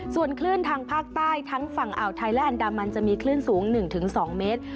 ส่วนคลื่นทางภาคใต้ทั้งฝั่งอ่าวไทยและอันดามันจะมีคลื่นสูง๑๒เมตร